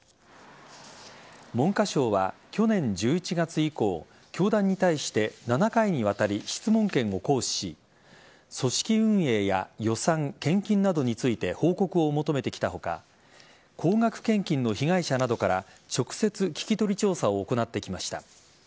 文科省は去年１１月以降教団に対して７回にわたり質問権を行使し組織運営や予算・献金などについて報告を求めてきた他高額献金の被害者などから直接、聞き取り調査を行ってきました。